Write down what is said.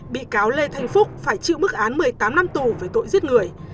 bị cáo lê thanh phúc phải chịu mức án một mươi tám năm tù về tội giết người